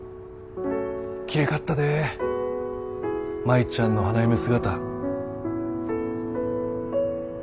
きれいかったで舞ちゃんの花嫁姿。